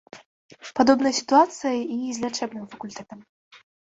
Падобная сітуацыя і з лячэбным факультэтам.